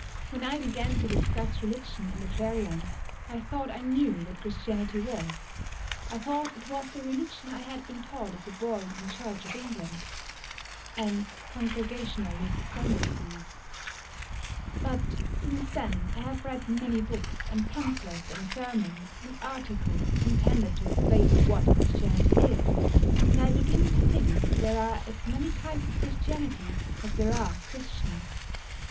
When I began to discuss religion in the Clarion I thought I knew what Christianity was. I thought it was the religion I had been taught as a boy in Church of England and Congregationalist Sunday schools. But since then I have read many books, and pamphlets, and sermons, and articles intended to explain what Christianity is, and I begin to think there are as many kinds of Christianity as there are Christians.